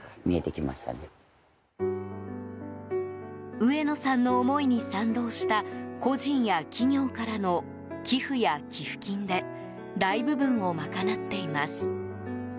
上野さんの思いに賛同した個人や企業からの寄付や寄付金で大部分を賄っています。